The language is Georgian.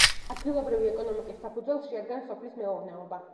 ადგილობრივი ეკონომიკის საფუძველს შეადგენს სოფლის მეურნეობა.